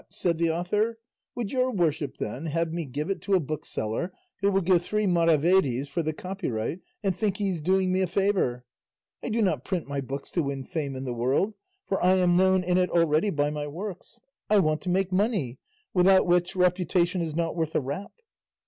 said the author, "would your worship, then, have me give it to a bookseller who will give three maravedis for the copyright and think he is doing me a favour? I do not print my books to win fame in the world, for I am known in it already by my works; I want to make money, without which reputation is not worth a rap."